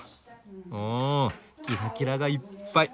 おおキラキラがいっぱい。